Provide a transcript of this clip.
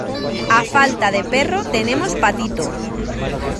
a falta de perro, tenemos patito.